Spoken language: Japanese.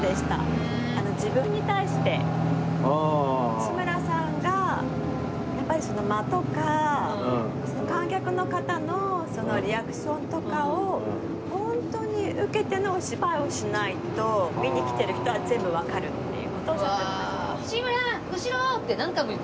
志村さんがやっぱりその間とか観客の方のリアクションとかをホントに受けてのお芝居をしないと見に来てる人は全部わかるっていう事をおっしゃってましたね。